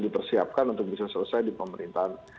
dipersiapkan untuk bisa selesai di pemerintahan